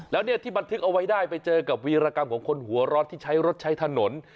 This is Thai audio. แล้วเนี่ยที่บันทึกเอาไว้ได้ไปเจอกับวีรกรรมของคนหัวร้อนที่ใช้รถใช้ถนน